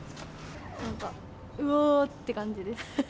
なんか、うわーって感じです。